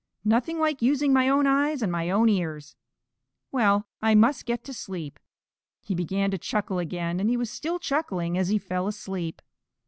Nothing like using my own eyes and my own ears. Well, I must get to sleep." He began to chuckle again, and he was still chuckling as he fell asleep.